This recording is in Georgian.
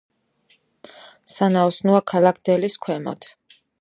სანაოსნოა ქალაქ დელის ქვემოთ.